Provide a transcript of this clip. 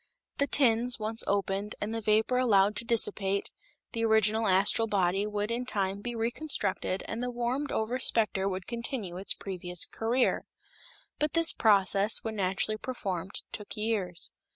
The tins once opened and the vapor allowed to dissipate, the original astral body would in time be reconstructed and the warmed over specter would continue its previous career. But this process, when naturally performed, took years.